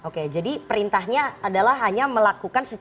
oke jadi perintahnya adalah hanya melakukan